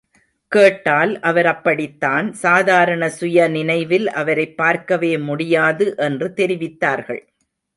கேட்டால் அவர் அப்படித்தான் சாதாரண சுயநினைவில் அவரைப் பார்க்கவே முடியாது என்று தெரிவித்தார்கள்.